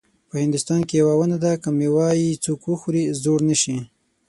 په هندوستان کې یوه ونه ده که میوه یې څوک وخوري زوړ نه شي.